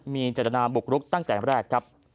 มีเจตนาบุกรุกตั้งแต่แรกครับ